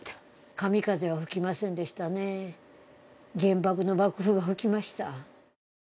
神風は吹きませんでしたね、原爆の爆風が吹きました。